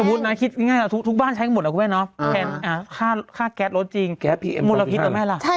สมมุตินะคิดง่ายทุกบ้านใช้หมดแล้วครับแม่น้อแค่ค่าแก๊สรถจริงมุระพิษต่อไหมล่ะ